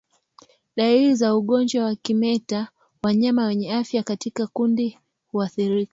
Dalili za ugonjwa wa kimeta wanyama wenye afya katika kundi huathirika